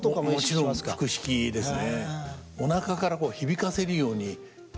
もちろん腹式ですね。